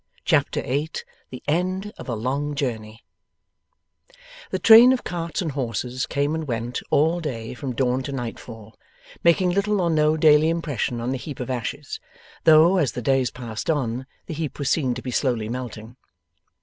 Chapter 8 THE END OF A LONG JOURNEY The train of carts and horses came and went all day from dawn to nightfall, making little or no daily impression on the heap of ashes, though, as the days passed on, the heap was seen to be slowly melting.